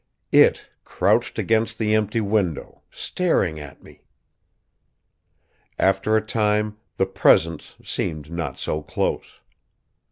It crouched against the empty window, staring at me. After a time, the presence seemed not so close.